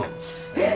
えっ！